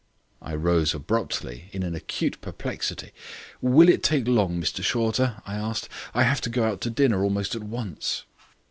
I rose abruptly, in an acute perplexity. "Will it take long, Mr Shorter?" I asked. "I have to go out to dinner almost at once."